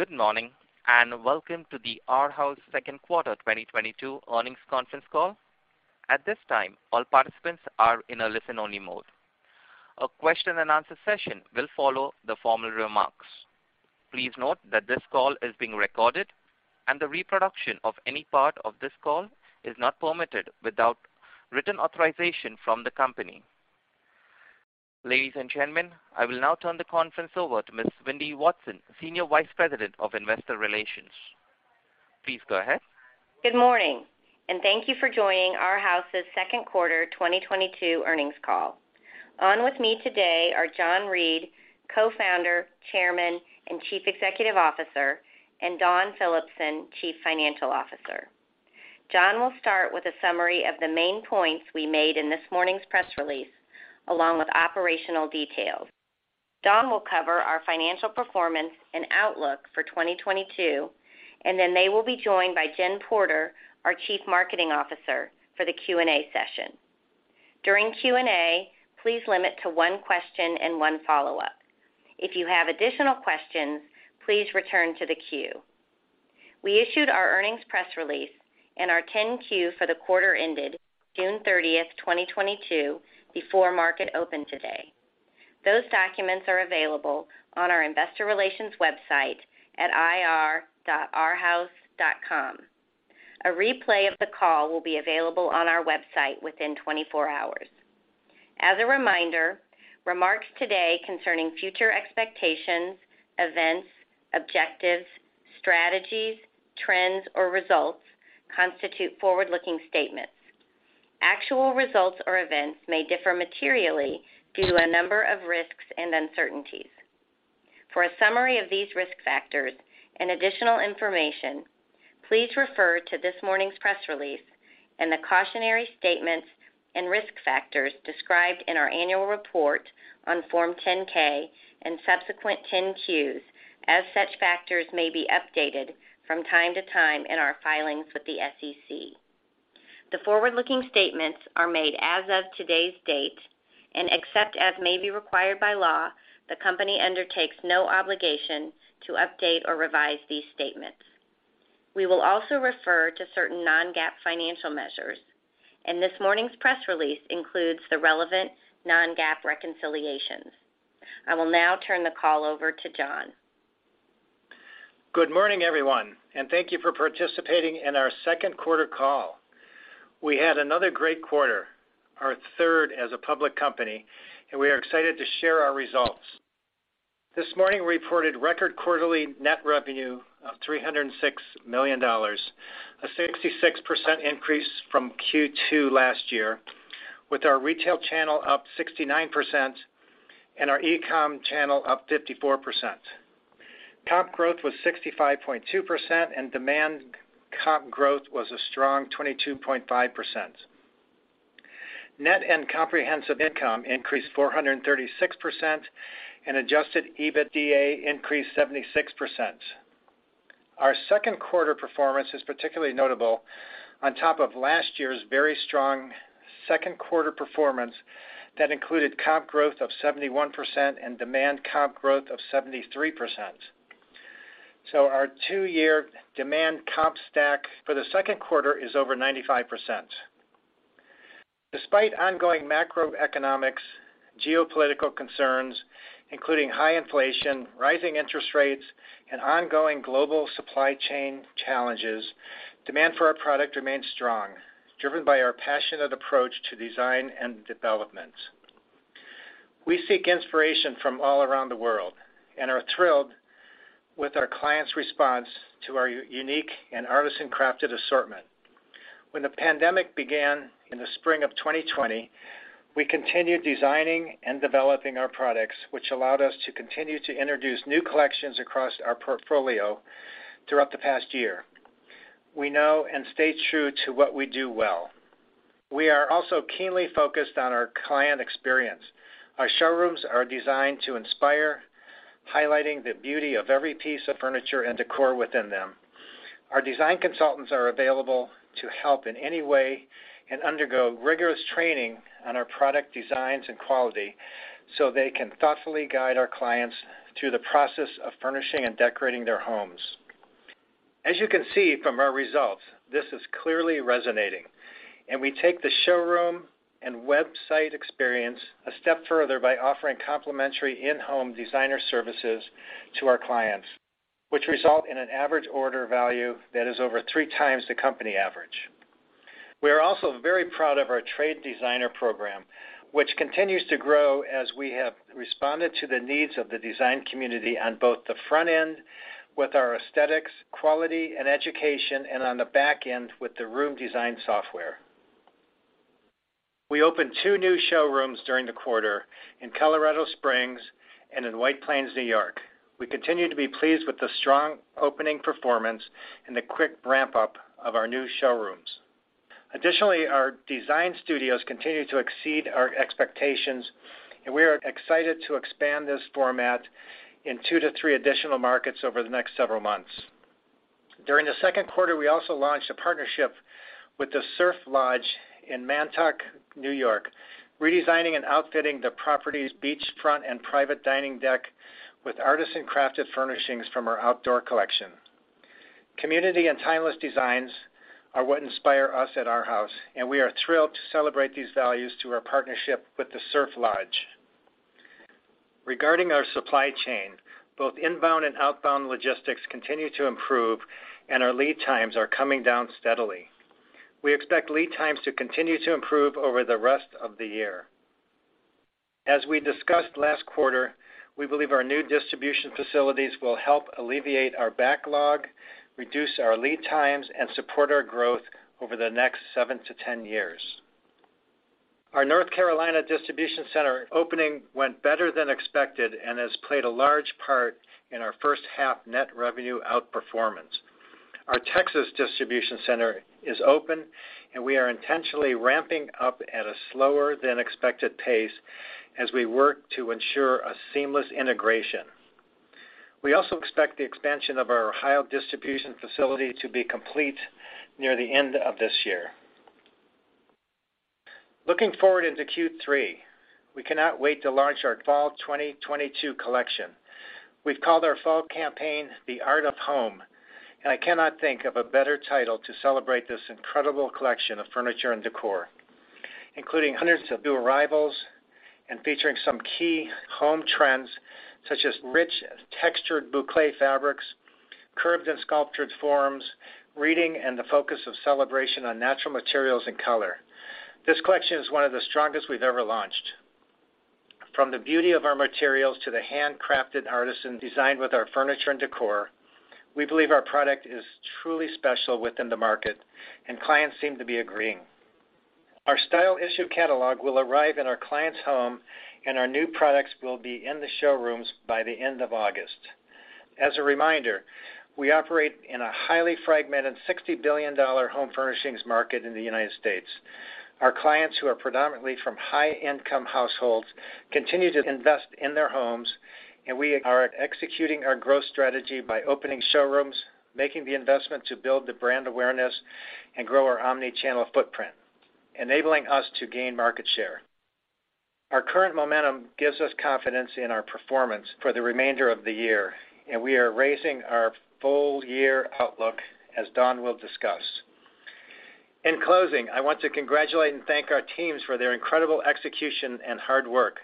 Good morning, and welcome to the Arhaus second quarter 2022 Earnings Conference Call. At this time, all participants are in a listen-only mode. A question and answer session will follow the formal remarks. Please note that this call is being recorded and the reproduction of any part of this call is not permitted without written authorization from the company. Ladies and gentlemen, I will now turn the conference over to Ms. Wendy Watson, Senior Vice President of Investor Relations. Please go ahead. Good morning, and thank you for joining Arhaus' second quarter 2022 earnings call. On with me today are John Reed, Co-founder, Chairman, and Chief Executive Officer, and Dawn Phillipson, Chief Financial Officer. John will start with a summary of the main points we made in this morning's press release, along with operational details. Dawn will cover our financial performance and outlook for 2022, and then they will be joined by Jennifer Porter, our Chief Marketing Officer, for the Q&A session. During Q&A, please limit to one question and one follow-up. If you have additional questions, please return to the queue. We issued our earnings press release and our Form 10-Q for the quarter ended June 30, 2022, before market open today. Those documents are available on our investor relations website at ir.arhaus.com. A replay of the call will be available on our website within 24 hours. As a reminder, remarks today concerning future expectations, events, objectives, strategies, trends, or results constitute forward-looking statements. Actual results or events may differ materially due to a number of risks and uncertainties. For a summary of these risk factors and additional information, please refer to this morning's press release and the cautionary statements and risk factors described in our annual report on Form 10-K and subsequent 10-Qs as such factors may be updated from time to time in our filings with the SEC. The forward-looking statements are made as of today's date, and except as may be required by law, the company undertakes no obligation to update or revise these statements. We will also refer to certain non-GAAP financial measures, and this morning's press release includes the relevant non-GAAP reconciliations. I will now turn the call over to John. Good morning, everyone, and thank you for participating in our second quarter call. We had another great quarter, our third as a public company, and we are excited to share our results. This morning, we reported record quarterly net revenue of $306 million, a 66% increase from Q2 last year, with our retail channel up 69% and our e-com channel up 54%. Comp growth was 65.2% and demand comp growth was a strong 22.5%. Net and comprehensive income increased 436% and adjusted EBITDA increased 76%. Our second quarter performance is particularly notable on top of last year's very strong second quarter performance that included comp growth of 71% and demand comp growth of 73%. Our two-year demand comp stack for the second quarter is over 95%. Despite ongoing macroeconomic, geopolitical concerns, including high inflation, rising interest rates, and ongoing global supply chain challenges, demand for our product remains strong, driven by our passionate approach to design and development. We seek inspiration from all around the world and are thrilled with our clients' response to our unique and artisan crafted assortment. When the pandemic began in the spring of 2020, we continued designing and developing our products, which allowed us to continue to introduce new collections across our portfolio throughout the past year. We know and stay true to what we do well. We are also keenly focused on our client experience. Our showrooms are designed to inspire, highlighting the beauty of every piece of furniture and decor within them. Our design consultants are available to help in any way and undergo rigorous training on our product designs and quality, so they can thoughtfully guide our clients through the process of furnishing and decorating their homes. As you can see from our results, this is clearly resonating, and we take the showroom and website experience a step further by offering complimentary in-home designer services to our clients, which result in an average order value that is over three times the company average. We are also very proud of our trade designer program, which continues to grow as we have responded to the needs of the design community on both the front end with our aesthetics, quality and education, and on the back end with the room design software. We opened two new showrooms during the quarter in Colorado Springs and in White Plains, New York. We continue to be pleased with the strong opening performance and the quick ramp-up of our new showrooms. Additionally, Design Studios continue to exceed our expectations, and we are excited to expand this format in two to three additional markets over the next several months. During the second quarter, we also launched a partnership with The Surf Lodge in Montauk, New York, redesigning and outfitting the property's beachfront and private dining deck with artisan-crafted furnishings from our outdoor collection. Community and timeless designs are what inspire us at Arhaus, and we are thrilled to celebrate these values through our partnership with The Surf Lodge. Regarding our supply chain, both inbound and outbound logistics continue to improve, and our lead times are coming down steadily. We expect lead times to continue to improve over the rest of the year. As we discussed last quarter, we believe our new distribution facilities will help alleviate our backlog, reduce our lead times, and support our growth over the next seven to 10 years. Our North Carolina distribution center opening went better than expected and has played a large part in our first half net revenue outperformance. Our Texas distribution center is open, and we are intentionally ramping up at a slower than expected pace as we work to ensure a seamless integration. We also expect the expansion of our Ohio distribution facility to be complete near the end of this year. Looking forward into Q3, we cannot wait to launch our fall 2022 collection. We've called our fall campaign The Art of Home, and I cannot think of a better title to celebrate this incredible collection of furniture and decor, including hundreds of new arrivals and featuring some key home trends, such as rich textured bouclé fabrics, curved and sculptured forms, reading and the focus of celebration on natural materials and color. This collection is one of the strongest we've ever launched. From the beauty of our materials to the handcrafted artisan design with our furniture and decor, we believe our product is truly special within the market, and clients seem to be agreeing. Our style issue catalog will arrive in our clients' home, and our new products will be in the showrooms by the end of August. As a reminder, we operate in a highly fragmented $60 billion home furnishings market in the United States. Our clients, who are predominantly from high-income households, continue to invest in their homes, and we are executing our growth strategy by opening showrooms, making the investment to build the brand awareness, and grow our omni-channel footprint, enabling us to gain market share. Our current momentum gives us confidence in our performance for the remainder of the year, and we are raising our full year outlook as Dawn will discuss. In closing, I want to congratulate and thank our teams for their incredible execution and hard work.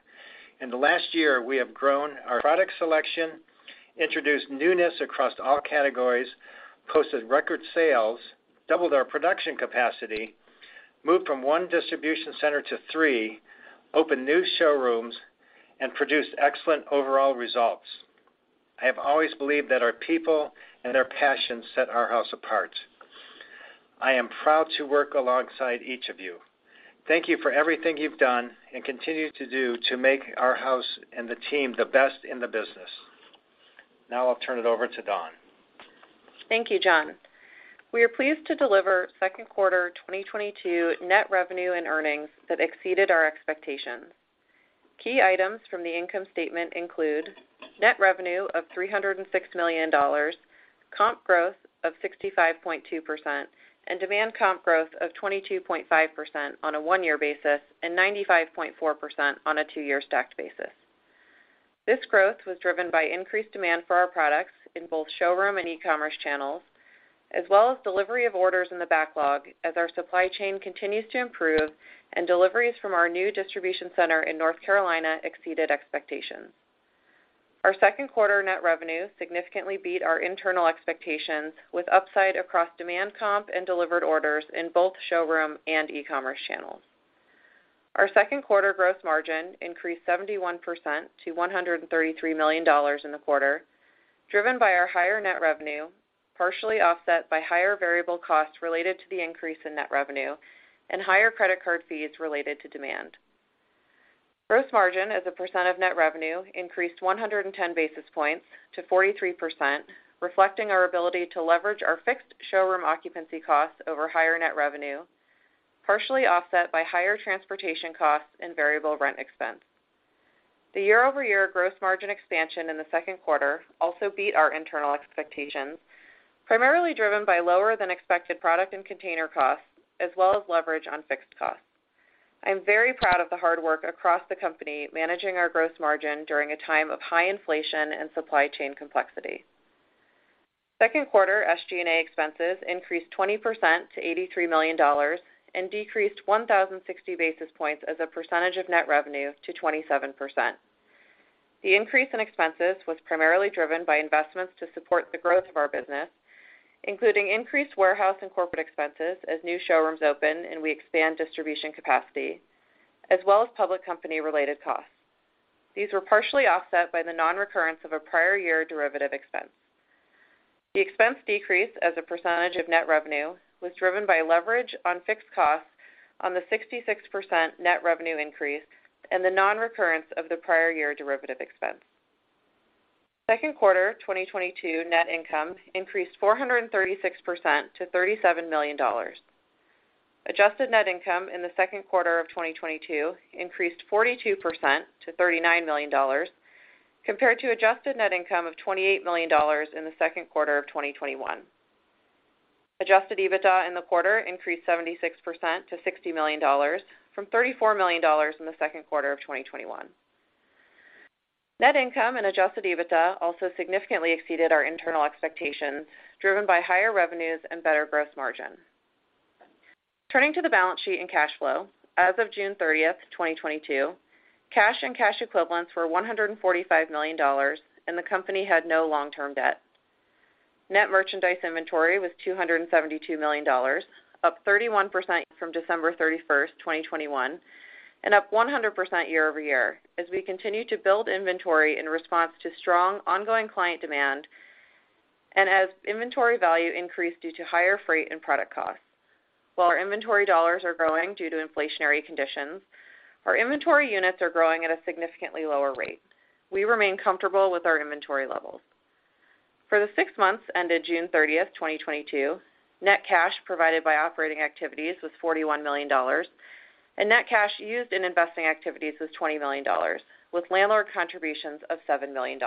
In the last year, we have grown our product selection, introduced newness across all categories, posted record sales, doubled our production capacity, moved from one distribution center to three, opened new showrooms, and produced excellent overall results. I have always believed that our people and their passion set Arhaus apart. I am proud to work alongside each of you. Thank you for everything you've done and continue to do to make Arhaus and the team the best in the business. Now I'll turn it over to Dawn. Thank you, John. We are pleased to deliver second quarter 2022 net revenue and earnings that exceeded our expectations. Key items from the income statement include net revenue of $306 million, comp growth of 65.2%, and demand comp growth of 22.5% on a one-year basis and 95.4% on a two-year stacked basis. This growth was driven by increased demand for our products in both showroom and e-commerce channels, as well as delivery of orders in the backlog as our supply chain continues to improve and deliveries from our new distribution center in North Carolina exceeded expectations. Our second quarter net revenue significantly beat our internal expectations with upside across demand comp and delivered orders in both showroom and e-commerce channels. Our second quarter gross margin increased 71% to $133 million in the quarter, driven by our higher net revenue, partially offset by higher variable costs related to the increase in net revenue and higher credit card fees related to demand. Gross margin as a percent of net revenue increased 110 basis points to 43%, reflecting our ability to leverage our fixed showroom occupancy costs over higher net revenue, partially offset by higher transportation costs and variable rent expense. The year-over-year gross margin expansion in the second quarter also beat our internal expectations, primarily driven by lower than expected product and container costs, as well as leverage on fixed costs. I am very proud of the hard work across the company managing our gross margin during a time of high inflation and supply chain complexity. Second quarter SG&A expenses increased 20% to $83 million and decreased 1,060 basis points as a percentage of net revenue to 27%. The increase in expenses was primarily driven by investments to support the growth of our business, including increased warehouse and corporate expenses as new showrooms open and we expand distribution capacity, as well as public company-related costs. These were partially offset by the nonrecurrence of a prior year derivative expense. The expense decrease as a percentage of net revenue was driven by leverage on fixed costs on the 66% net revenue increase and the nonrecurrence of the prior year derivative expense. Second quarter 2022 net income increased 436% to $37 million. Adjusted net income in the second quarter of 2022 increased 42% to $39 million compared to adjusted net income of $28 million in the second quarter of 2021. Adjusted EBITDA in the quarter increased 76% to $60 million from $34 million in the second quarter of 2021. Net income and adjusted EBITDA also significantly exceeded our internal expectations, driven by higher revenues and better gross margin. Turning to the balance sheet and cash flow. As of June 30, 2022, cash and cash equivalents were $145 million and the company had no long-term debt. Net merchandise inventory was $272 million, up 31% from December 31, 2021, and up 100% year-over-year as we continue to build inventory in response to strong ongoing client demand and as inventory value increased due to higher freight and product costs. While our inventory dollars are growing due to inflationary conditions, our inventory units are growing at a significantly lower-rate. We remain comfortable with our inventory levels. For the six months ended June 30, 2022, net cash provided by operating activities was $41 million, and net cash used in investing activities was $20 million, with landlord contributions of $7 million.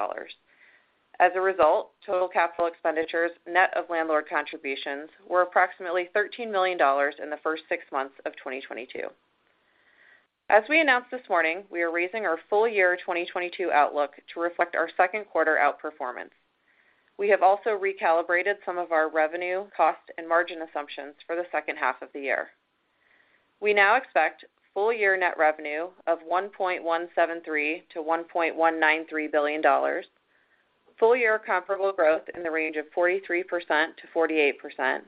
As a result, total capital expenditures, net of landlord contributions, were approximately $13 million in the first six months of 2022. As we announced this morning, we are raising our full year 2022 outlook to reflect our second quarter outperformance. We have also recalibrated some of our revenue, cost, and margin assumptions for the second half of the year. We now expect full year net revenue of $1.173 billion-$1.193 billion, full year comparable growth in the range of 43%-48%,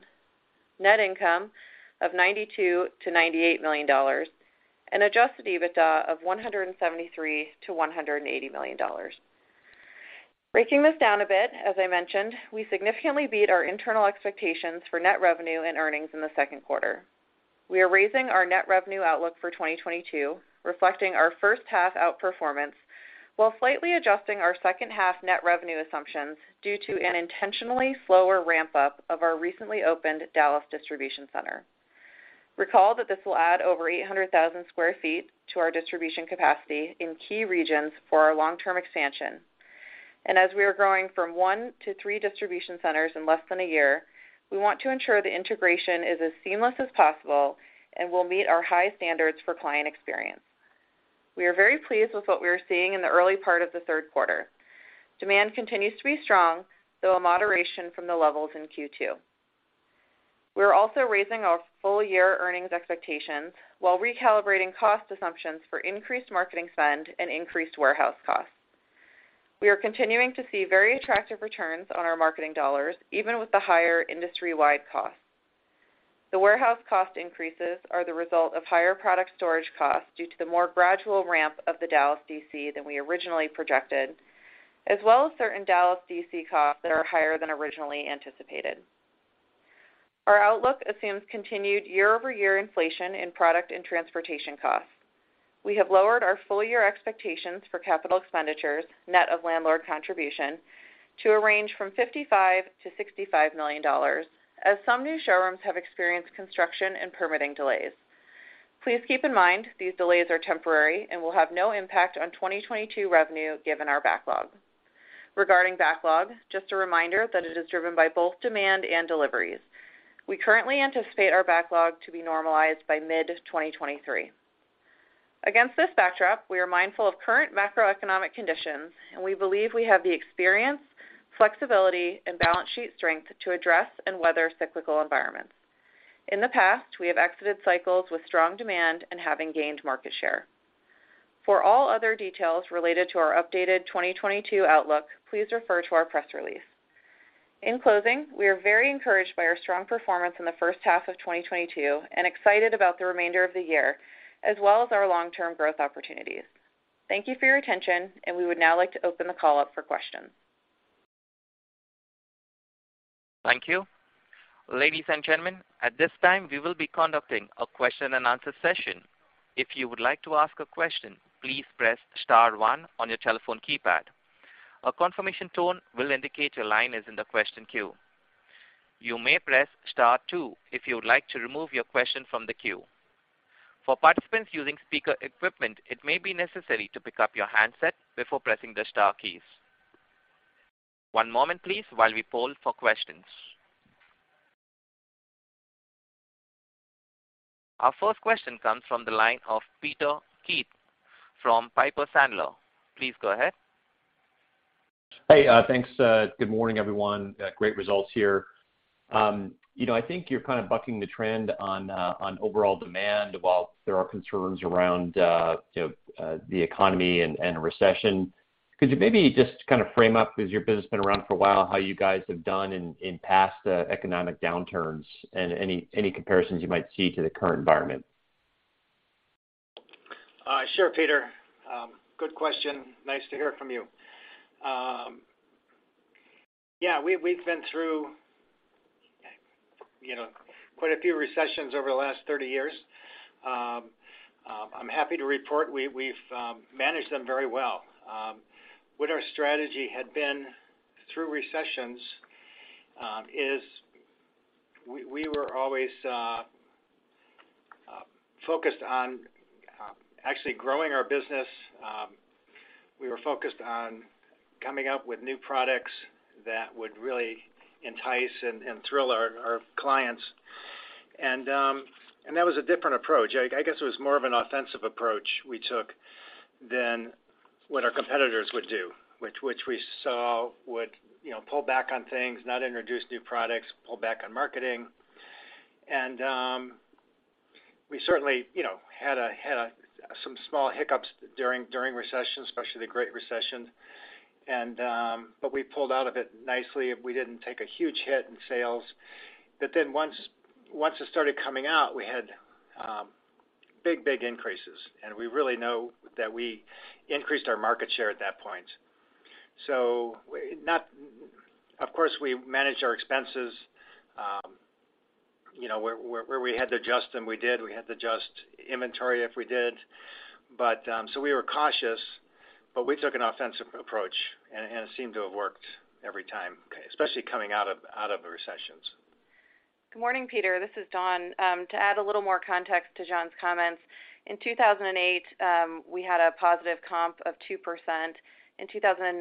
net income of $92 million-$98 million, and adjusted EBITDA of $173 million-$180 million. Breaking this down a bit, as I mentioned, we significantly beat our internal expectations for net revenue and earnings in the second quarter. We are raising our net revenue outlook for 2022, reflecting our first half outperformance while slightly adjusting our second half net revenue assumptions due to an intentionally slower ramp-up of our recently opened Dallas distribution center. Recall that this will add over 800,000 sq ft to our distribution capacity in key regions for our long-term expansion. As we are growing from one to three distribution centers in less than a year, we want to ensure the integration is as seamless as possible and will meet our high standards for client experience. We are very pleased with what we are seeing in the early part of the third quarter. Demand continues to be strong, though a moderation from the levels in Q2. We are also raising our full year earnings expectations while recalibrating cost assumptions for increased marketing spend and increased warehouse costs. We are continuing to see very attractive returns on our marketing dollars, even with the higher industry-wide costs. The warehouse cost increases are the result of higher product storage costs due to the more gradual ramp of the Dallas DC than we originally projected, as well as certain Dallas DC costs that are higher than originally anticipated. Our outlook assumes continued year-over-year inflation in product and transportation costs. We have lowered our full year expectations for capital expenditures, net of landlord contribution, to a range of $55 million-$65 million as some new showrooms have experienced construction and permitting delays. Please keep in mind these delays are temporary and will have no impact on 2022 revenue given our backlog. Regarding backlog, just a reminder that it is driven by both demand and deliveries. We currently anticipate our backlog to be normalized by mid-2023. Against this backdrop, we are mindful of current macroeconomic conditions, and we believe we have the experience, flexibility, and balance sheet strength to address and weather cyclical environments. In the past, we have exited cycles with strong demand and having gained market share. For all other details related to our updated 2022 outlook, please refer to our press release. In closing, we are very encouraged by our strong performance in the first half of 2022 and excited about the remainder of the year, as well as our long-term growth opportunities. Thank you for your attention, and we would now like to open the call up for questions. Thank you. Ladies and gentlemen, at this time, we will be conducting a question and answer session. If you would like to ask a question, please press star one on your telephone keypad. A confirmation tone will indicate your line is in the question queue. You may press star two if you would like to remove your question from the queue. For participants using speaker equipment, it may be necessary to pick up your handset before pressing the star keys. One moment please while we poll for questions. Our first question comes from the line of Peter Keith from Piper Sandler. Please go ahead. Hey, thanks. Good morning, everyone. Great results here. You know, I think you're kind of bucking the trend on overall demand while there are concerns around, you know, the economy and recession. Could you maybe just kind of frame up, as your business has been around for a while, how you guys have done in past economic downturns and any comparisons you might see to the current environment? Sure, Peter. Good question. Nice to hear from you. Yeah, we've been through, you know, quite a few recessions over the last 30 years. I'm happy to report we've managed them very well. What our strategy had been through recessions is we were always focused on actually growing our business. We were focused on coming up with new products that would really entice and thrill our clients. That was a different approach. I guess it was more of an offensive approach we took than what our competitors would do, which we saw would, you know, pull back on things, not introduce new products, pull back on marketing. We certainly, you know, had some small hiccups during recessions, especially the Great Recession. We pulled out of it nicely, and we didn't take a huge hit in sales. Then once it started coming out, we had big increases. We really know that we increased our market share at that point. Of course, we managed our expenses. You know, where we had to adjust them, we did. We had to adjust inventory if we did. We were cautious, but we took an offensive approach, and it seemed to have worked every time, especially coming out of the recessions. Good morning, Peter. This is Dawn. To add a little more context to John's comments, in 2008, we had a positive comp of 2%. In 2009,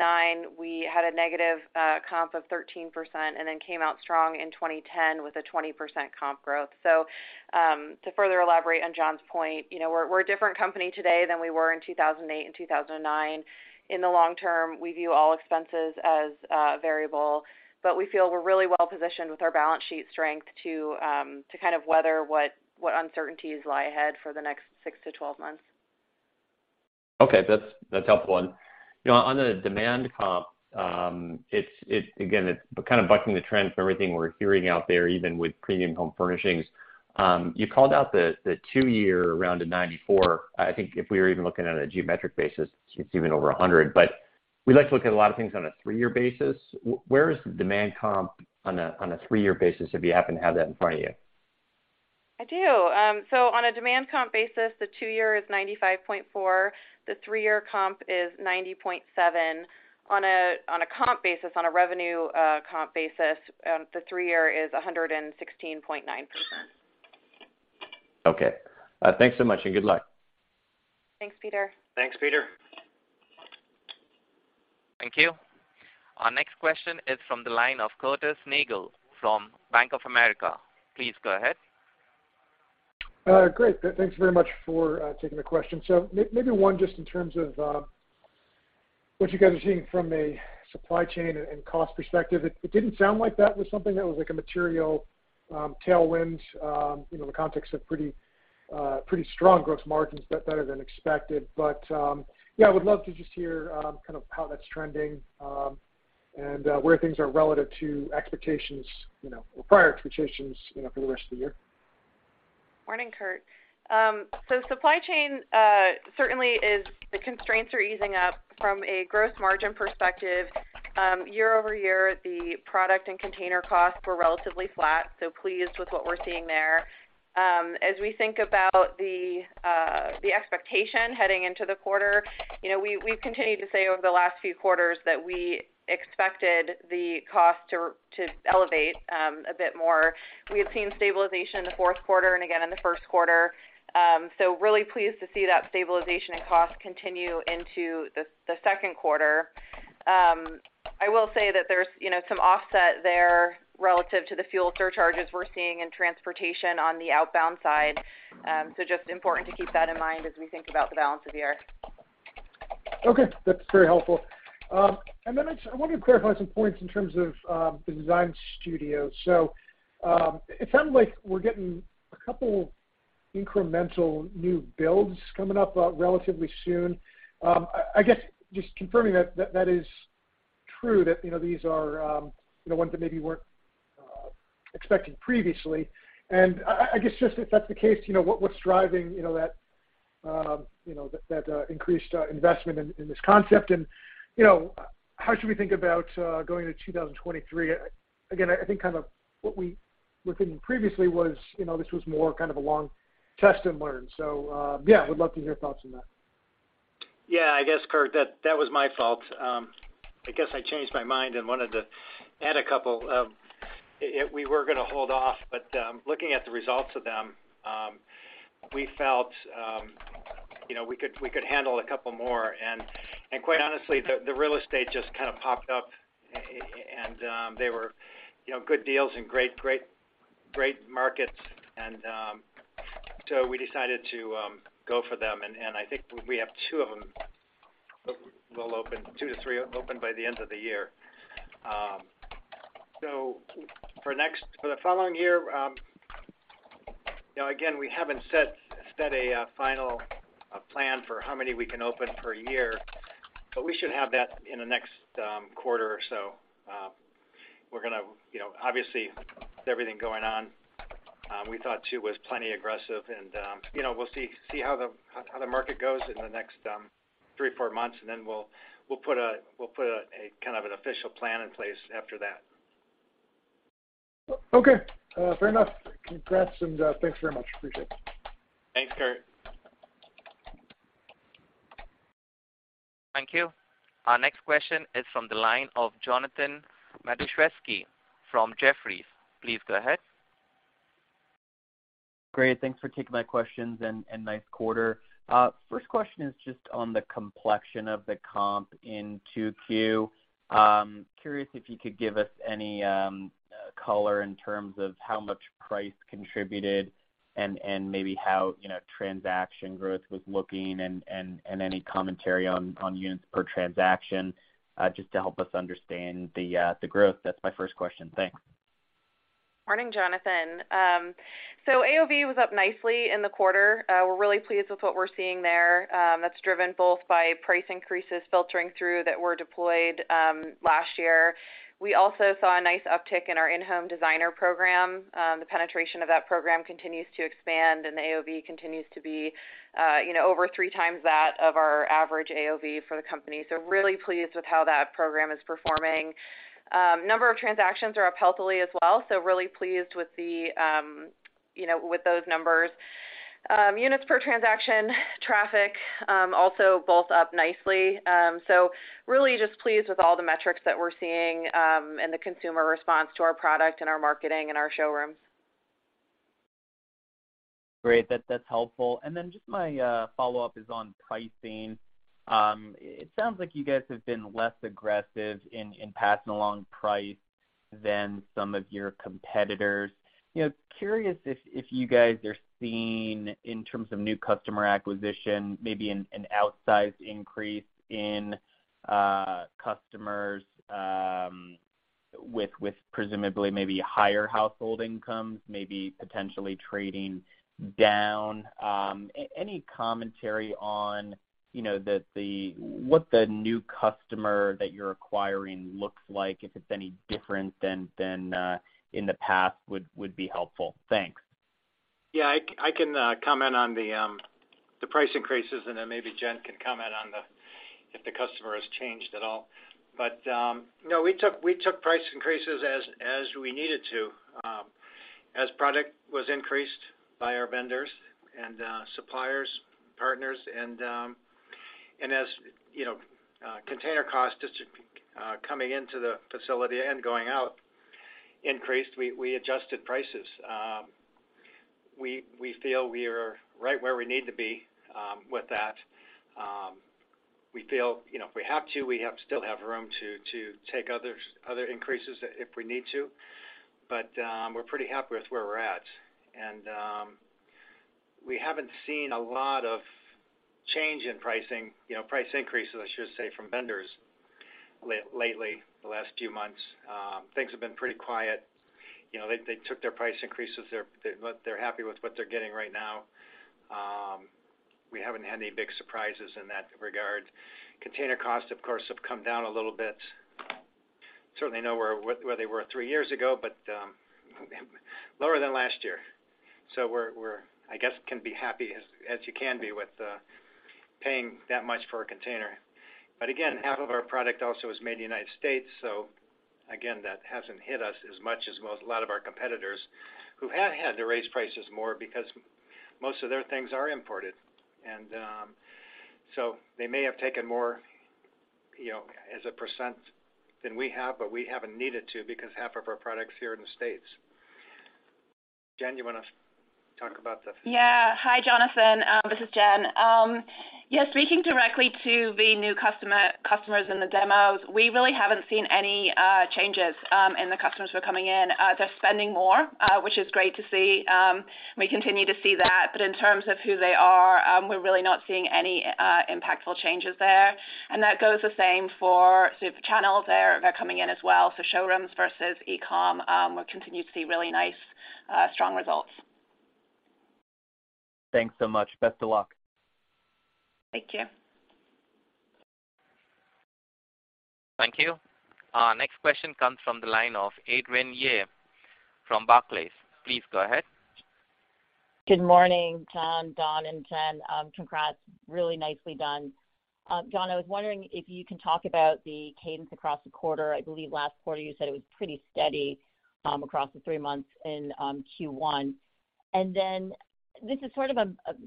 we had a negative comp of 13% and then came out strong in 2010 with a 20% comp growth. To further elaborate on John's point, you know, we're a different company today than we were in 2008 and 2009. In the long-term, we view all expenses as variable, but we feel we're really well positioned with our balance sheet strength to kind of weather what uncertainties lie ahead for the next six to 12 months. Okay. That's helpful. You know, on the demand comp, it's again kind of bucking the trend from everything we're hearing out there, even with premium home furnishings. You called out the two-year run of 94. I think if we were even looking at a geometric basis, it's even over 100. But we like to look at a lot of things on a three-year basis. Where is the demand comp on a three-year basis, if you happen to have that in front of you? I do. On a demand comp basis, the two-year is 95.4%. The three-year comp is 90.7%. On a revenue comp basis, the three-year is 116.9%. Okay. Thanks so much, and good luck. Thanks, Peter. Thanks, Peter. Thank you. Our next question is from the line of Curtis Nagle from Bank of America. Please go ahead. Great. Thanks very much for taking the question. Maybe one just in terms of what you guys are seeing from a supply chain and cost perspective. It didn't sound like that was something that was like a material tailwind, you know, in the context of pretty strong gross margins, but better than expected. Yeah, I would love to just hear kind of how that's trending, and where things are relative to expectations, you know, or prior expectations, you know, for the rest of the year. Morning, Curt. Supply chain constraints are easing up from a gross margin perspective. Year-over-year, the product and container costs were relatively flat, so pleased with what we're seeing there. As we think about the expectation heading into the quarter, you know, we've continued to say over the last few quarters that we expected the cost to elevate a bit more. We have seen stabilization in the fourth quarter and again in the first quarter. Really pleased to see that stabilization in costs continue into the second quarter. I will say that there's, you know, some offset there relative to the fuel surcharges we're seeing in transportation on the outbound side. Just important to keep that in mind as we think about the balance of the year. Okay. That's very helpful. I wanted to clarify some points in terms of the Design Studio. It sounds like we're getting a couple incremental new builds coming up relatively soon. I guess just confirming that is true that you know these are you know ones that maybe weren't expected previously. I guess just if that's the case, you know, what's driving you know that increased investment in this concept? You know, how should we think about going to 2023? Again, I think kind of what we were thinking previously was you know this was more kind of a long test and learn. Yeah, would love to hear thoughts on that. Yeah. I guess, Curt, that was my fault. I guess I changed my mind and wanted to add a couple. We were gonna hold off, but looking at the results of them, we felt, you know, we could handle a couple more. Quite honestly, the real estate just kind of popped up and they were, you know, good deals and great markets. We decided to go for them. I think we have two of them will open, two to three open by the end of the year. For the following year, you know, again, we haven't set a final plan for how many we can open per year, but we should have that in the next quarter or so. We're gonna, you know, obviously with everything going on, we thought two was plenty aggressive and, you know, we'll see how the market goes in the next three, four months, and then we'll put a kind of an official plan in place after that. Okay. Fair enough. Congrats, and thanks very much. Appreciate it. Thanks, Kurt. Thank you. Our next question is from the line of Jonathan Matuszewski from Jefferies. Please go ahead. Great. Thanks for taking my questions and nice quarter. First question is just on the complexion of the comp in 2Q. Curious if you could give us any color in terms of how much price contributed and maybe how, you know, transaction growth was looking and any commentary on units per transaction, just to help us understand the growth. That's my first question. Thanks. Morning, Jonathan. AOV was up nicely in the quarter. We're really pleased with what we're seeing there. That's driven both by price increases filtering through that were deployed last year. We also saw a nice uptick in our in-home designer program. The penetration of that program continues to expand, and the AOV continues to be, you know, over three times that of our average AOV for the company. Really pleased with how that program is performing. Number of transactions are up healthily as well, really pleased with the, you know, with those numbers. Units per transaction, traffic, also both up nicely. Really just pleased with all the metrics that we're seeing, and the consumer response to our product and our marketing and our showrooms. Great. That's helpful. Just my follow-up is on pricing. It sounds like you guys have been less aggressive in passing along price than some of your competitors. Curious if you guys are seeing, in terms of new customer acquisition, maybe an outsized increase in customers with presumably maybe higher household incomes, maybe potentially trading down. Any commentary on what the new customer that you're acquiring looks like, if it's any different than in the past would be helpful. Thanks. Yeah, I can comment on the price increases and then maybe Jen can comment on if the customer has changed at all. We took price increases as we needed to as product was increased by our vendors and suppliers, partners and as you know, container costs just coming into the facility and going out increased, we adjusted prices. We feel we are right where we need to be with that. We feel you know, if we have to, we still have room to take other increases if we need to. We're pretty happy with where we're at. We haven't seen a lot of change in pricing, you know, price increases, I should say, from vendors lately, the last few months. Things have been pretty quiet. You know, they took their price increases. They're happy with what they're getting right now. We haven't had any big surprises in that regard. Container costs, of course, have come down a little bit. Certainly nowhere near where they were three years ago, but lower than last year. I guess we can be happy as you can be with paying that much for a container. Again, half of our product also is made in the United States. Again, that hasn't hit us as much as most, a lot of our competitors who have had to raise prices more because most of their things are imported. they may have taken more, you know, as a % than we have, but we haven't needed to because half of our products are here in the States. Jen, you wanna talk about the- Yeah. Hi, Jonathan. This is Jen. Yeah, speaking directly to the new customers in the demos, we really haven't seen any changes in the customers who are coming in. They're spending more, which is great to see. We continue to see that. But in terms of who they are, we're really not seeing any impactful changes there. That goes the same for such channels there. They're coming in as well. Showrooms versus e-com, we'll continue to see really nice, strong results. Thanks so much. Best of luck. Thank you. Thank you. Our next question comes from the line of Adrienne Yih from Barclays. Please go ahead. Good morning, John, Dawn, and Jen. Congrats. Really nicely done. Dawn, I was wondering if you can talk about the cadence across the quarter. I believe last quarter you said it was pretty steady across the three months in Q1. This is sort of a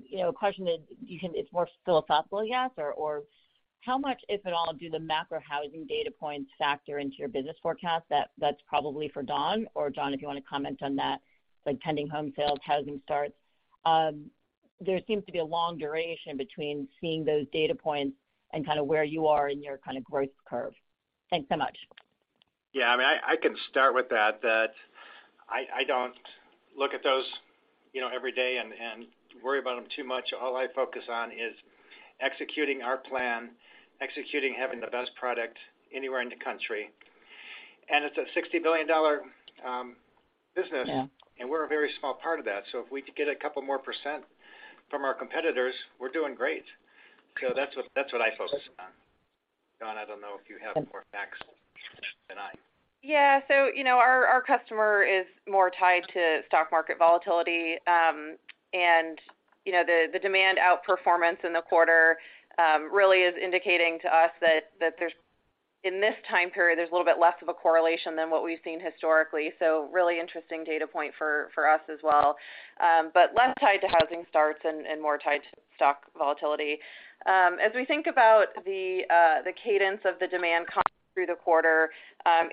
you know a question. It's more philosophical, I guess. Or how much, if at all, do the macro housing data points factor into your business forecast? That's probably for Dawn, or Dawn, if you wanna comment on that, like pending home sales, housing starts. There seems to be a long duration between seeing those data points and kinda where you are in your kinda growth curve. Thanks so much. Yeah, I mean, I can start with that I don't look at those, you know, every day and worry about them too much. All I focus on is executing our plan, having the best product anywhere in the country. It's a $60 billion business. Yeah We're a very small part of that. If we could get a couple more % from our competitors, we're doing great. That's what I focus on. Dawn, I don't know if you have more facts than I. Yeah. You know, our customer is more tied to stock market volatility. You know, the demand outperformance in the quarter really is indicating to us that there's In this time period, there's a little bit less of a correlation than what we've seen historically. Really interesting data point for us as well. Less tied to housing starts and more tied to stock volatility. As we think about the cadence of the demand comp through the quarter,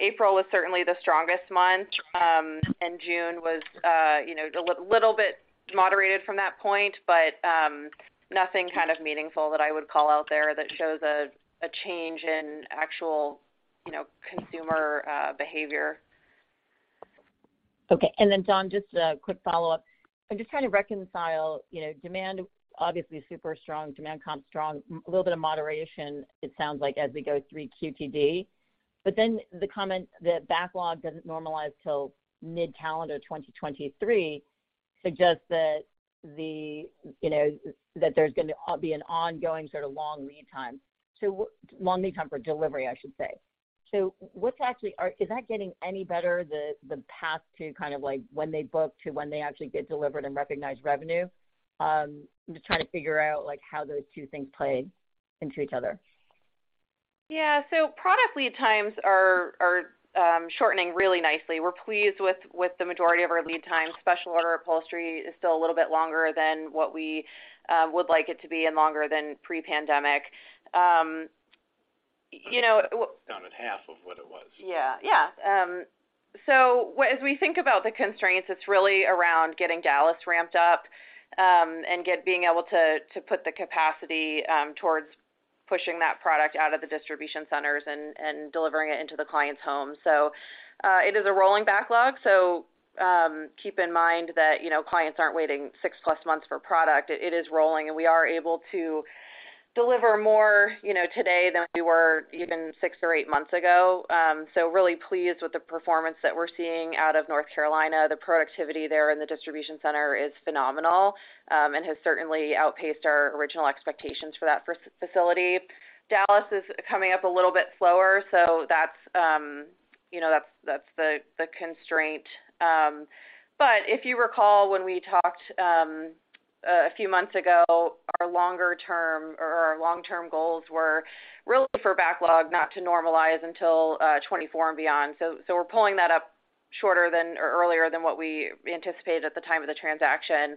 April was certainly the strongest month. June was, you know, a little bit moderated from that point. Nothing kind of meaningful that I would call out there that shows a change in actual, you know, consumer behavior. Okay. Then Dawn, just a quick follow-up. I'm just trying to reconcile, you know, demand obviously super strong, demand comp strong. A little bit of moderation, it sounds like, as we go through QTD. The comment that backlog doesn't normalize till mid-calendar 2023 suggests that, you know, there's gonna be an ongoing sort of long lead time. Long lead time for delivery, I should say. So what's actually is that getting any better, the path to kind of like when they book to when they actually get delivered and recognize revenue. I'm just trying to figure out like how those two things play into each other. Product lead times are shortening really nicely. We're pleased with the majority of our lead times. Special order upholstery is still a little bit longer than what we would like it to be and longer than pre-pandemic. You know. Down to half of what it was. As we think about the constraints, it's really around getting Dallas ramped up, and being able to put the capacity towards pushing that product out of the distribution centers and delivering it into the client's home. It is a rolling backlog. Keep in mind that, you know, clients aren't waiting six-plus months for product. It is rolling, and we are able to deliver more, you know, today than we were even six or eight months ago. Really pleased with the performance that we're seeing out of North Carolina. The productivity there in the distribution center is phenomenal, and has certainly outpaced our original expectations for that facility. Dallas is coming up a little bit slower, so that's the constraint. If you recall, when we talked a few months ago, our long-term goals were really for backlog not to normalize until 2024 and beyond. We're pulling that up shorter than or earlier than what we anticipated at the time of the transaction.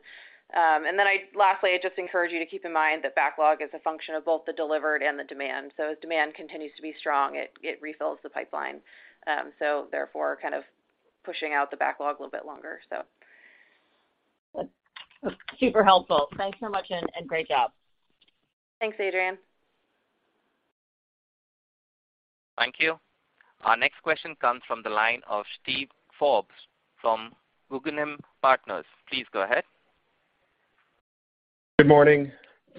Lastly, I'd just encourage you to keep in mind that backlog is a function of both the delivered and the demand. As demand continues to be strong, it refills the pipeline. Therefore, kind of pushing out the backlog a little bit longer. Super helpful. Thanks so much, and great job. Thanks, Adrienne. Thank you. Our next question comes from the line of Steven Forbes from Guggenheim Securities. Please go ahead. Good morning,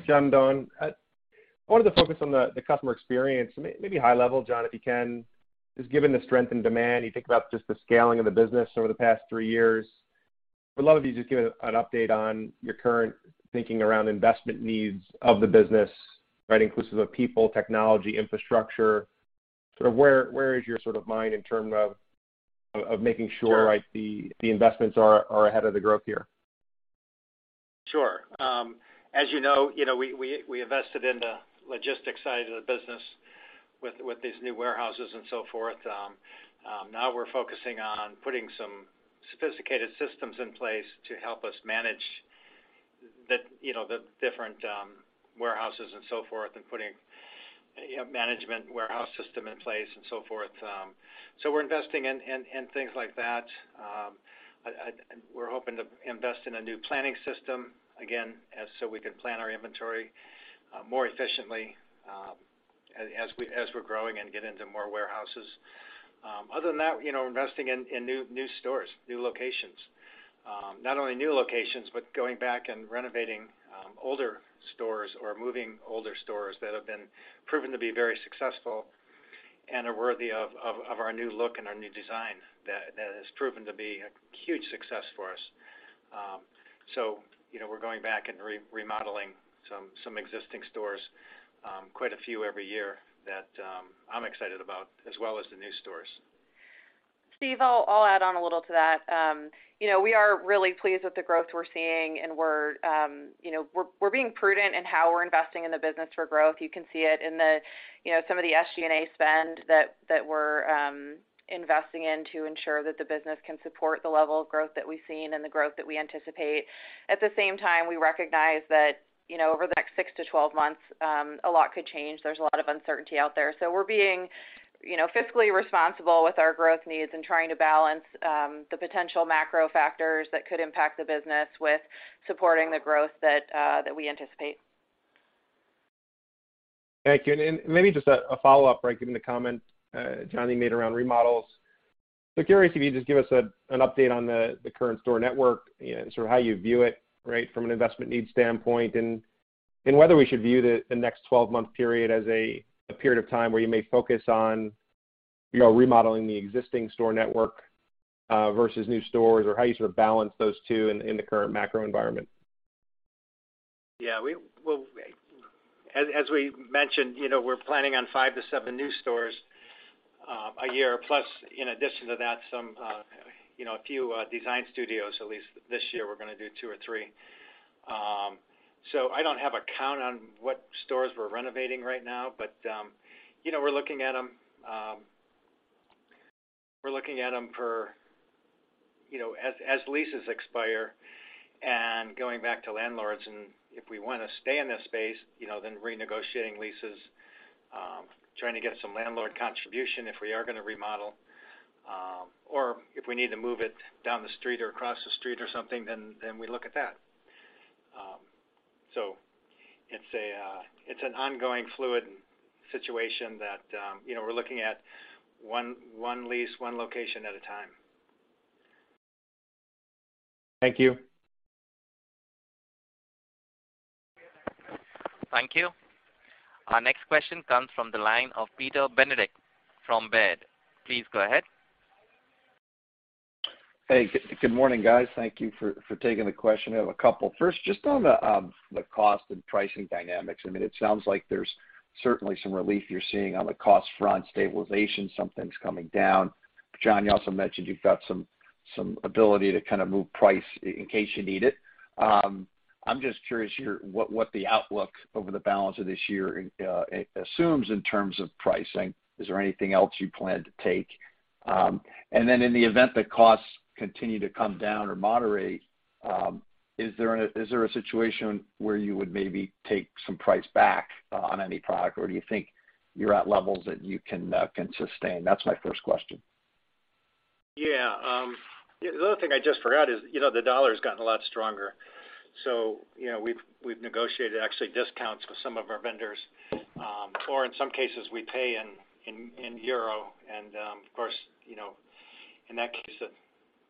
John, Dawn. I wanted to focus on the customer experience, maybe high level, John, if you can. Just given the strength and demand, you think about just the scaling of the business over the past three years. I'd love if you just give an update on your current thinking around investment needs of the business, right? Inclusive of people, technology, infrastructure, sort of where is your sort of mind in terms of of making sure, like the investments are ahead of the growth here? Sure. As you know, you know, we invested in the logistics side of the business with these new warehouses and so forth. Now we're focusing on putting some sophisticated systems in place to help us manage the, you know, the different warehouses and so forth and putting, you know, management warehouse system in place and so forth. So we're investing in things like that. We're hoping to invest in a new planning system, again, so we can plan our inventory more efficiently, as we're growing and get into more warehouses. Other than that, you know, investing in new stores, new locations. Not only new locations, but going back and renovating older stores or moving older stores that have been proven to be very successful and are worthy of our new look and our new design that has proven to be a huge success for us. You know, we're going back and remodeling some existing stores, quite a few every year that I'm excited about, as well as the new stores. Steve, I'll add on a little to that. You know, we are really pleased with the growth we're seeing, and we're, you know, we're being prudent in how we're investing in the business for growth. You can see it in the, you know, some of the SG&A spend that we're investing in to ensure that the business can support the level of growth that we've seen and the growth that we anticipate. At the same time, we recognize that, you know, over the next six to 12 months, a lot could change. There's a lot of uncertainty out there. We're being, you know, fiscally responsible with our growth needs and trying to balance the potential macro factors that could impact the business with supporting the growth that we anticipate. Thank you. Maybe just a follow-up, right? Given the comment Johnny made around remodels. Curious if you could just give us an update on the current store network, you know, sort of how you view it, right, from an investment needs standpoint, and whether we should view the 12-month period as a period of time where you may focus on, you know, remodeling the existing store network versus new stores, or how you sort of balance those two in the current macro environment. Yeah. Well, as we mentioned, you know, we're planning on five to seven new stores a year plus in addition to that, some, you know, a few Design Studios, at least this year we're gonna do two or three. So I don't have a count on what stores we're renovating right now, but, you know, we're looking at them. We're looking at them for, you know, as leases expire and going back to landlords. If we wanna stay in this space, you know, then renegotiating leases, trying to get some landlord contribution if we are gonna remodel, or if we need to move it down the street or across the street or something, then we look at that. It's an ongoing fluid situation that, you know, we're looking at one lease, one location at a time. Thank you. Thank you. Our next question comes from the line of Peter Benedict from Baird. Please go ahead. Hey, good morning, guys. Thank you for taking the question. I have a couple. First, just on the cost and pricing dynamics. I mean, it sounds like there's certainly some relief you're seeing on the cost front stabilization, something's coming down. John, you also mentioned you've got some ability to kind of move price in case you need it. I'm just curious what the outlook over the balance of this year assumes in terms of pricing. Is there anything else you plan to take? And then in the event that costs continue to come down or moderate, is there a situation where you would maybe take some price back on any product, or do you think you're at levels that you can sustain? That's my first question. Yeah. The other thing I just forgot is, you know, the dollar has gotten a lot stronger. You know, we've negotiated actually discounts with some of our vendors, or in some cases we pay in euro. Of course, you know, in that case the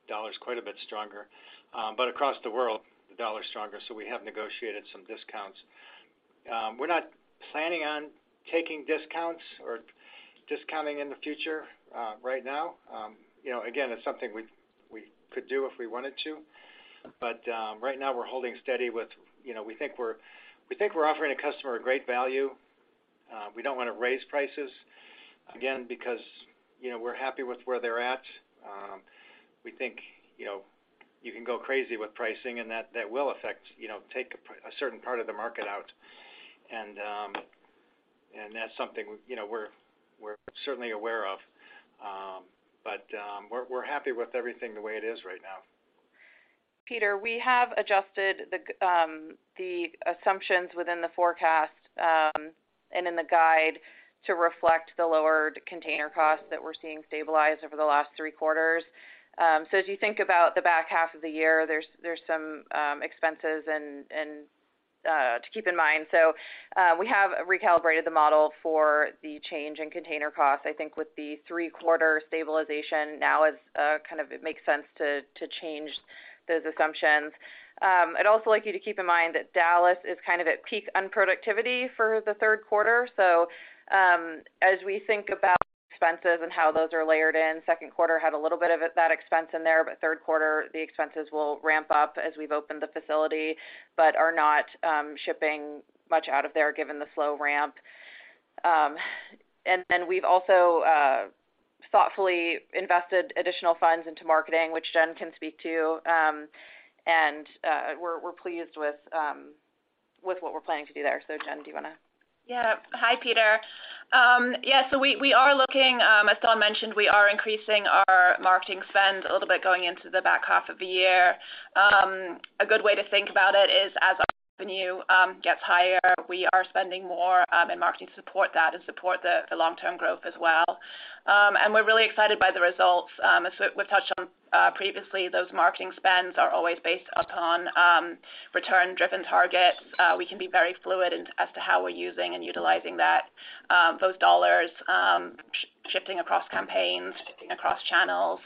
dollar is quite a bit stronger. Across the world, the dollar is stronger, so we have negotiated some discounts. We're not planning on taking discounts or discounting in the future, right now. You know, again, it's something we could do if we wanted to. Right now we're holding steady with, you know, we think we're offering a customer a great value. We don't wanna raise prices, again, because, you know, we're happy with where they're at. We think, you know, you can go crazy with pricing, and that will affect, you know, take a certain part of the market out. That's something, you know, we're certainly aware of. We're happy with everything the way it is right now. Peter, we have adjusted the assumptions within the forecast, and in the guide to reflect the lower container costs that we're seeing stabilize over the last three quarters. As you think about the back half of the year, there's some expenses and to keep in mind. We have recalibrated the model for the change in container costs. I think with the three-quarter stabilization now is kind of it makes sense to change those assumptions. I'd also like you to keep in mind that Dallas is kind of at peak unproductivity for the third quarter. As we think about expenses and how those are layered in, second quarter had a little bit of that expense in there, but third quarter, the expenses will ramp up as we've opened the facility, but are not shipping much out of there given the slow ramp. Then we've also thoughtfully invested additional funds into marketing, which Jen can speak to. We're pleased with what we're planning to do there. Jen, do you wanna? Yeah. Hi, Peter. As Dawn mentioned, we are increasing our marketing spend a little bit going into the back half of the year. A good way to think about it is as our revenue gets higher, we are spending more in marketing to support that and support the long-term growth as well. We're really excited by the results. As we've touched on previously, those marketing spends are always based upon return driven targets. We can be very fluid in as to how we're using and utilizing that those dollars shifting across campaigns, shifting across channels.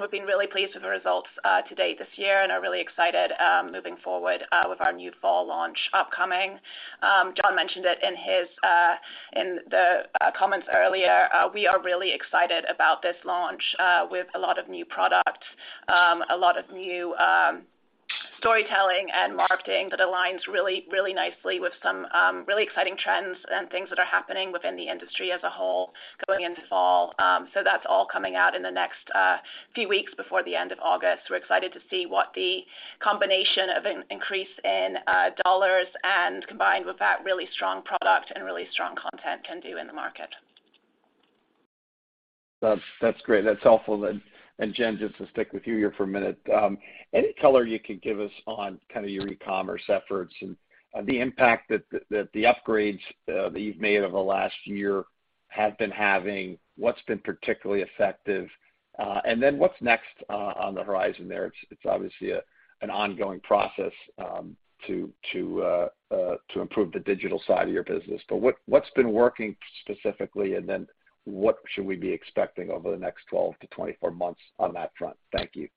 We've been really pleased with the results to date this year and are really excited moving forward with our new fall launch upcoming. John mentioned it in his comments earlier. We are really excited about this launch with a lot of new products, storytelling and marketing that aligns really, really nicely with some really exciting trends and things that are happening within the industry as a whole going into fall. That's all coming out in the next few weeks before the end of August. We're excited to see what the combination of an increase in dollars and combined with that really strong product and really strong content can do in the market. That's great. That's helpful. And Jen, just to stick with you here for a minute. Any color you could give us on kind of your e-commerce efforts and the impact that the upgrades that you've made over the last year have been having, what's been particularly effective, and then what's next on the horizon there? It's obviously an ongoing process to improve the digital side of your business. But what's been working specifically? And then what should we be expecting over the next 12-24 months on that front? Thank you.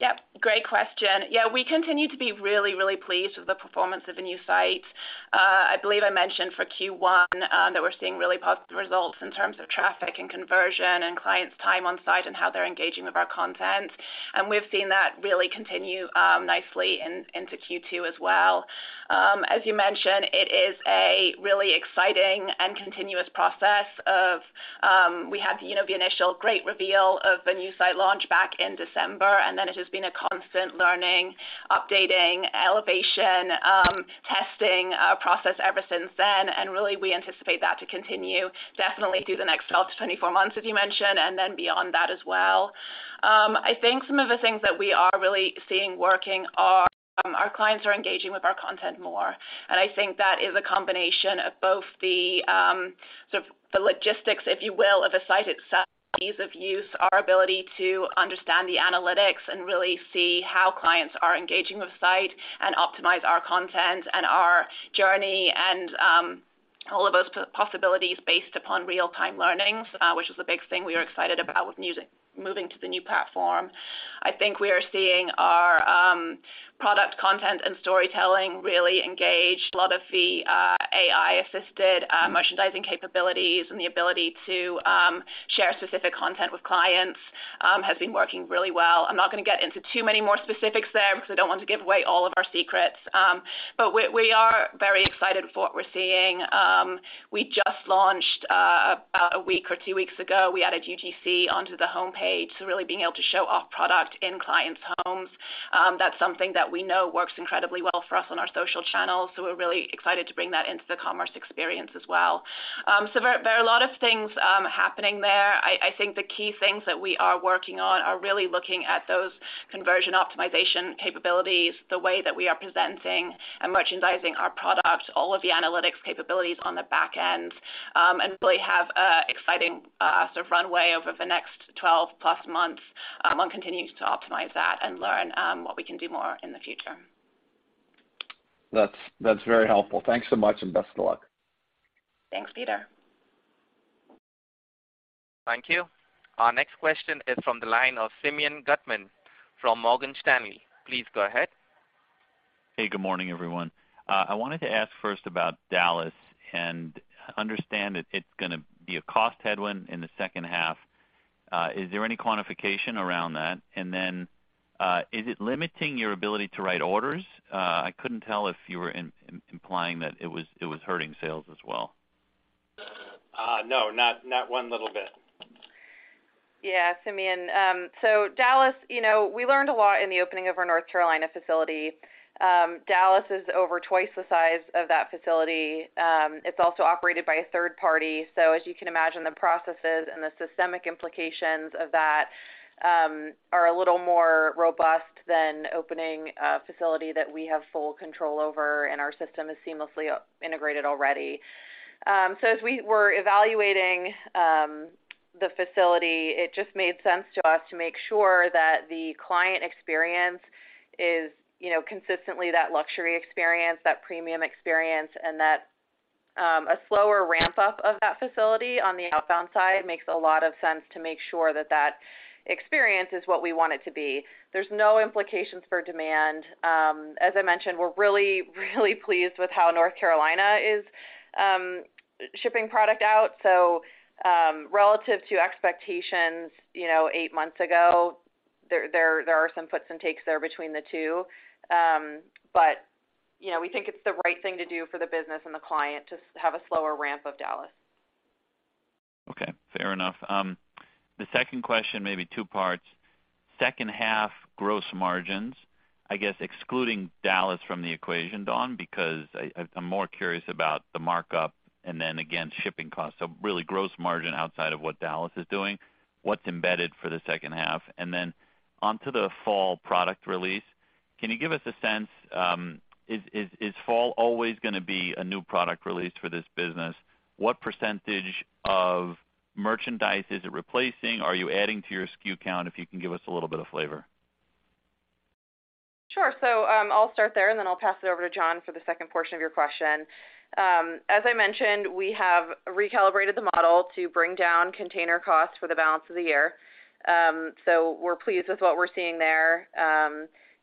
Yep. Great question. Yeah, we continue to be really pleased with the performance of the new site. I believe I mentioned for Q1 that we're seeing really positive results in terms of traffic and conversion and clients' time on site and how they're engaging with our content. We've seen that really continue nicely into Q2 as well. As you mentioned, it is a really exciting and continuous process of we had, you know, the initial great reveal of the new site launch back in December, and then it has been a constant learning, updating, elevation testing process ever since then. Really, we anticipate that to continue definitely through the next 12 -24 months, as you mentioned, and then beyond that as well. I think some of the things that we are really seeing working are our clients are engaging with our content more. I think that is a combination of both the sort of the logistics, if you will, of the site itself, ease of use, our ability to understand the analytics and really see how clients are engaging with the site and optimize our content and our journey and all of those possibilities based upon real-time learnings, which is a big thing we are excited about with moving to the new platform. I think we are seeing our product content and storytelling really engage a lot of the AI-assisted merchandising capabilities and the ability to share specific content with clients has been working really well. I'm not gonna get into too many more specifics there because I don't want to give away all of our secrets. We are very excited for what we're seeing. We just launched about a week or two weeks ago. We added UGC onto the homepage, so really being able to show off product in clients' homes. That's something that we know works incredibly well for us on our social channels, so we're really excited to bring that into the commerce experience as well. There are a lot of things happening there. I think the key things that we are working on are really looking at those conversion optimization capabilities, the way that we are presenting and merchandising our products, all of the analytics capabilities on the back end, and really have exciting sort of runway over the next 12+ months, and continue to optimize that and learn what we can do more in the future. That's very helpful. Thanks so much, and best of luck. Thanks, Peter. Thank you. Our next question is from the line of Simeon Gutman from Morgan Stanley. Please go ahead. Hey, good morning, everyone. I wanted to ask first about Dallas and understand that it's gonna be a cost headwind in the second half. Is there any quantification around that? Is it limiting your ability to write orders? I couldn't tell if you were implying that it was hurting sales as well. No, not one little bit. Yeah, Simeon Gutman. Dallas, you know, we learned a lot in the opening of our North Carolina facility. Dallas is over twice the size of that facility. It's also operated by a third party. As you can imagine, the processes and the systemic implications of that are a little more robust than opening a facility that we have full control over and our system is seamlessly integrated already. As we were evaluating the facility, it just made sense to us to make sure that the client experience is, you know, consistently that luxury experience, that premium experience, and that a slower ramp-up of that facility on the outbound side makes a lot of sense to make sure that that experience is what we want it to be. There's no implications for demand. As I mentioned, we're really pleased with how North Carolina is shipping product out. Relative to expectations, you know, eight months ago, there are some puts and takes there between the two. We think it's the right thing to do for the business and the client to have a slower ramp of Dallas. Okay, fair enough. The second question may be two parts. Second half gross margins, I guess excluding Dallas from the equation, Dawn, because I'm more curious about the markup and then again, shipping costs. Really gross margin outside of what Dallas is doing, what's embedded for the second half? Then onto the fall product release, can you give us a sense, is fall always gonna be a new product release for this business? What percentage of merchandise is it replacing? Are you adding to your SKU count? If you can give us a little bit of flavor. Sure. I'll start there, and then I'll pass it over to John for the second portion of your question. As I mentioned, we have recalibrated the model to bring down container costs for the balance of the year. We're pleased with what we're seeing there,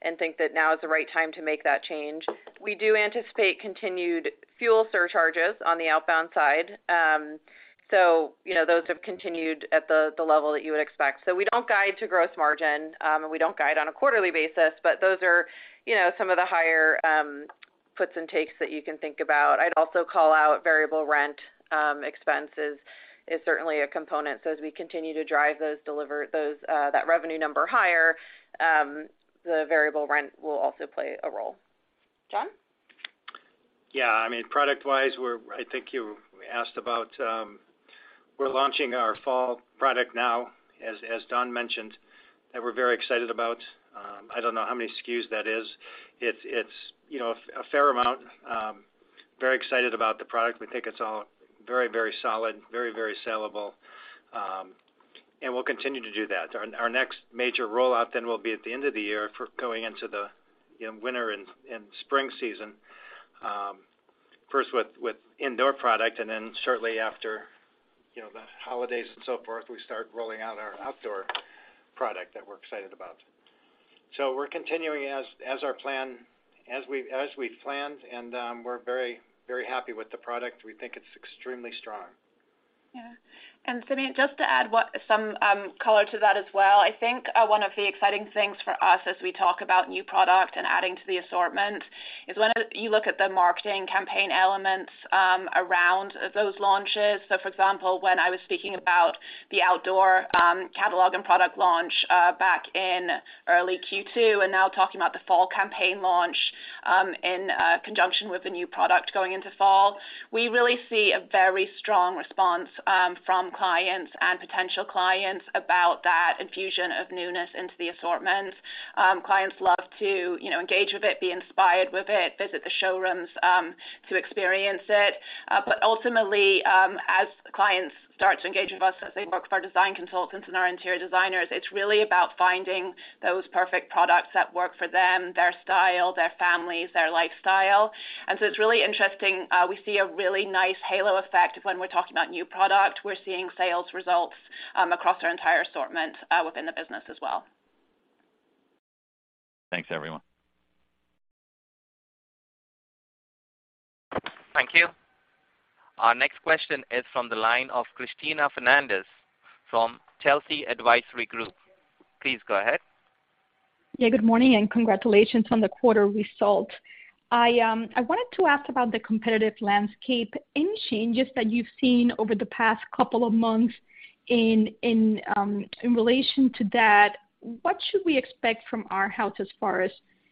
and think that now is the right time to make that change. We do anticipate continued fuel surcharges on the outbound side. You know, those have continued at the level that you would expect. We don't guide to gross margin, and we don't guide on a quarterly basis, but those are, you know, some of the higher puts and takes that you can think about. I'd also call out variable rent expenses is certainly a component. As we continue to drive that revenue number higher, the variable rent will also play a role. John? Yeah, I mean, product-wise, I think you asked about, we're launching our fall product now, as Dawn mentioned, that we're very excited about. I don't know how many SKUs that is. It's, you know, a fair amount. Very excited about the product. We think it's all very solid, very sellable. We'll continue to do that. Our next major rollout then will be at the end of the year for going into the, you know, winter and spring season. First with indoor product, and then shortly after, you know, the holidays and so forth, we start rolling out our outdoor product that we're excited about. We're continuing as our plan as we planned, and we're very happy with the product. We think it's extremely strong. Yeah. Simeon, just to add some color to that as well. I think one of the exciting things for us as we talk about new product and adding to the assortment is when you look at the marketing campaign elements around those launches. For example, when I was speaking about the outdoor catalog and product launch back in early Q2 and now talking about the fall campaign launch in conjunction with the new product going into fall, we really see a very strong response from clients and potential clients about that infusion of newness into the assortments. Clients love to, you know, engage with it, be inspired with it, visit the showrooms to experience it. Ultimately, as clients start to engage with us, as they work with our design consultants and our interior designers, it's really about finding those perfect products that work for them, their style, their families, their lifestyle. It's really interesting. We see a really nice halo effect of when we're talking about new product. We're seeing sales results across our entire assortment within the business as well. Thanks, everyone. Thank you. Our next question is from the line of Cristina Fernandez from Telsey Advisory Group. Please go ahead. Yeah, good morning and congratulations on the quarter results. I wanted to ask about the competitive landscape. Any changes that you've seen over the past couple of months in relation to that, what should we expect from Arhaus as far as,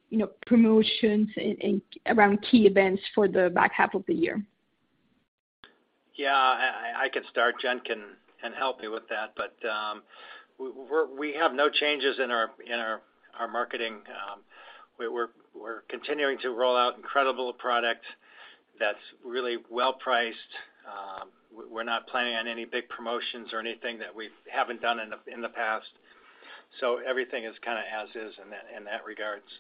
you know, promotions and around key events for the back half of the year? Yeah, I can start. Jen can help me with that. We have no changes in our marketing. We're continuing to roll out incredible product that's really well priced. We're not planning on any big promotions or anything that we haven't done in the past. Everything is kinda as is in that regard. Yeah.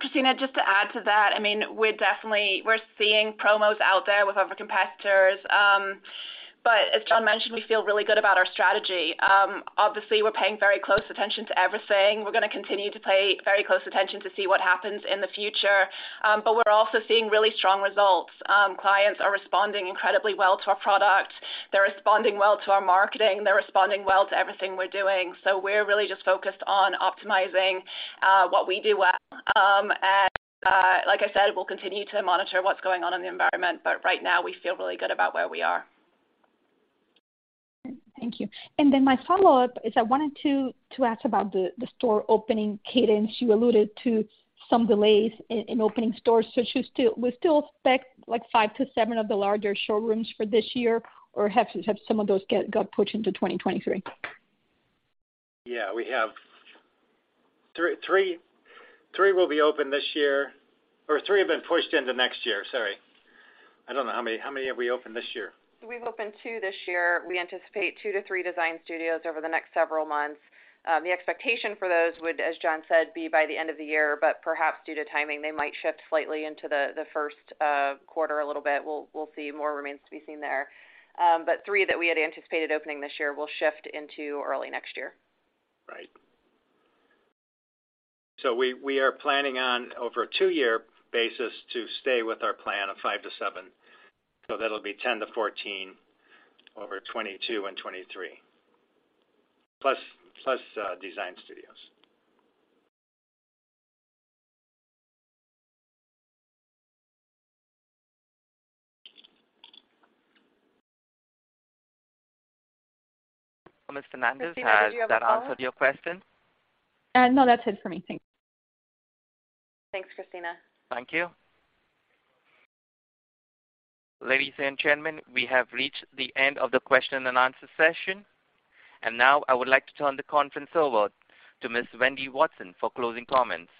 Cristina, just to add to that, I mean, we're definitely seeing promos out there with other competitors. As John mentioned, we feel really good about our strategy. Obviously, we're paying very close attention to everything. We're gonna continue to pay very close attention to see what happens in the future. We're also seeing really strong results. Clients are responding incredibly well to our product. They're responding well to our marketing. They're responding well to everything we're doing. We're really just focused on optimizing what we do well. Like I said, we'll continue to monitor what's going on in the environment, but right now, we feel really good about where we are. Thank you. My follow-up is I wanted to ask about the store opening cadence. You alluded to some delays in opening stores. We still expect like five to seven of the larger showrooms for this year or have some of those got pushed into 2023? Yeah. We have three will be open this year or three have been pushed into next year, sorry. I don't know how many. How many have we opened this year? We've opened two this year. We anticipate two to three Design Studios over the next several months. The expectation for those would, as John said, be by the end of the year, but perhaps due to timing, they might shift slightly into the first quarter a little bit. We'll see. More remains to be seen there. Three that we had anticipated opening this year will shift into early next year. Right. We are planning on over a two-year basis to stay with our plan of five to seven. That'll be 10-14 over 2022 and 2023 plus Design Studios. Well, Ms. Fernandez. Cristina, do you have a follow-up? Has that answered your question? No, that's it for me. Thanks. Thanks, Cristina. Thank you. Ladies and gentlemen, we have reached the end of the question and answer session. Now, I would like to turn the conference over to Ms. Wendy Watson for closing comments.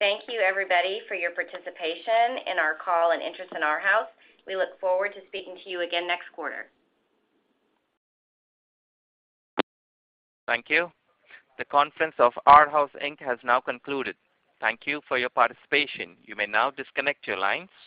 Thank you, everybody, for your participation in our call and interest in Arhaus. We look forward to speaking to you again next quarter. Thank you. The conference of Arhaus, Inc. has now concluded. Thank you for your participation. You may now disconnect your lines.